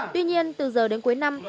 tuy nhiên từ giờ đến cuối năm